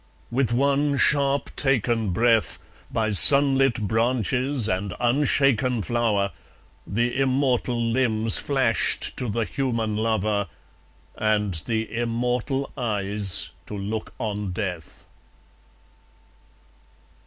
With one sharp taken breath, By sunlit branches and unshaken flower, The immortal limbs flashed to the human lover, And the immortal eyes to look on death.